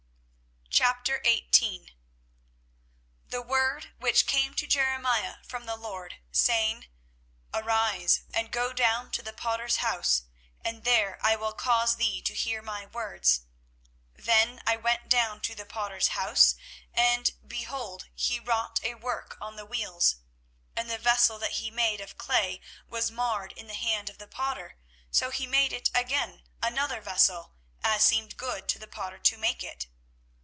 24:018:001 The word which came to Jeremiah from the LORD, saying, 24:018:002 Arise, and go down to the potter's house, and there I will cause thee to hear my words. 24:018:003 Then I went down to the potter's house, and, behold, he wrought a work on the wheels. 24:018:004 And the vessel that he made of clay was marred in the hand of the potter: so he made it again another vessel, as seemed good to the potter to make it.